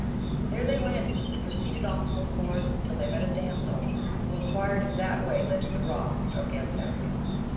There they landed, and proceeded on through a forest till they met a damsel, who enquired if that way led to the rock of Galtares.